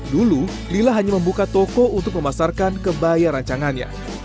dulu lila hanya membuka toko untuk memasarkan kebaya rancangannya